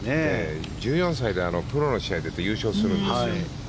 １４歳でプロの試合に出て優勝するんですよ。